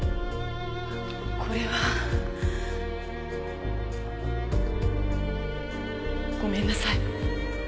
これは。ごめんなさい。